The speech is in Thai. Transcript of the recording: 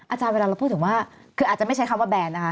อาจารย์เวลาเราพูดถึงว่าคืออาจจะไม่ใช้คำว่าแบนนะคะ